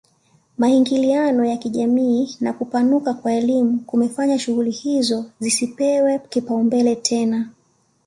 Maingiliano ya kijamii na kupanuka kwa elimu kumefanya shughuli hizo zisipewe kipaumbele tena